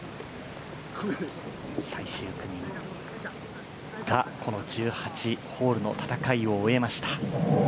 最終組がこの１８ホールの戦いを終えました。